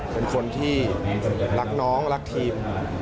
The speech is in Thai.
เป็นคนที่รักน้องรักทีม